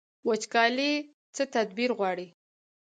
وچکالي څه تدبیر غواړي؟